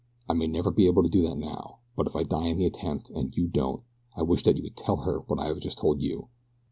I may never be able to do that now; but if I die in the attempt, and you don't, I wish that you would tell her what I have just told you.